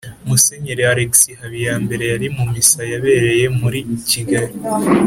musenyeri alexis habiyambere yari mu missa yabereye muri kigali